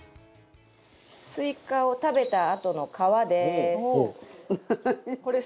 スイカを食べたあとの皮です。